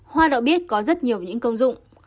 hoa đậu biếc có rất nhiều những công dụng